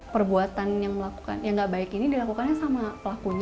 perbuatan yang melakukan yang gak baik ini dilakukannya sama pelakunya